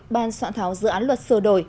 ban soạn tháo dự án luật sửa đổi